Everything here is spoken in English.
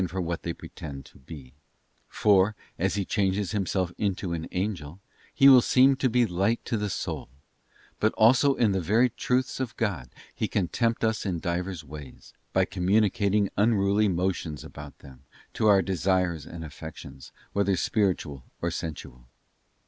for what they pretend to be, for as he changes himself into an angel, he will seem to be light to the soul—but also in the very truths of God he can tempt us in divers ways, by communicating unruly motions about them to our desires and affections, whether spiritual or sensual.